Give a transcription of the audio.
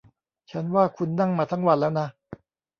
ฉันว่าคุณนั่งมาทั้งวันแล้วนะ